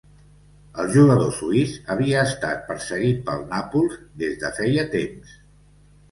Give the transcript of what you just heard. El jugador suís havia estat perseguit pel Nàpols des de feia temps.